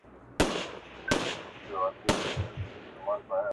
او نه یې د جزا په اړه څه ویل شوي